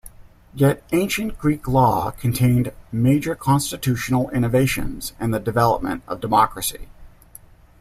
Yet Ancient Greek law contained major constitutional innovations in the development of democracy.